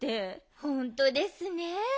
ほんとですねえ。